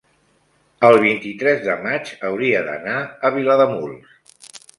el vint-i-tres de maig hauria d'anar a Vilademuls.